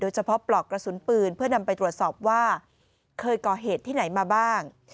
เฉพาะปลอกกระสุนปืนเพื่อนำไปตรวจสอบว่าเคยก่อเหตุที่ไหนมาบ้าง